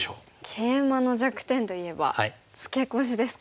ケイマの弱点といえばツケコシですか？